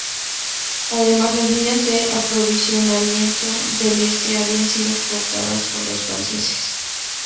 Además las líneas de aprovisionamiento del este habían sido cortadas por los franceses.